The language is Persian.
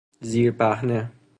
زیرپهنه